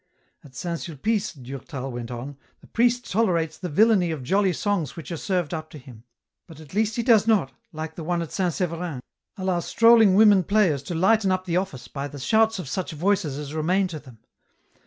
"At St. Sulpice," Durtal went on, "the priest tolerates the villainy of jolly songs which are served up to him ; but at least he does not, like the <me at St. Severin, allow 266 EN ROUTE. strolling women players to lighten up the Office by the shouts of such voices as remain to them.